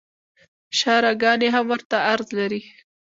شاهراه ګانې هم ورته عرض لري